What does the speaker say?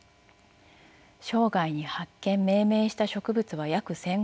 生涯に発見命名した植物は約１，５００種類。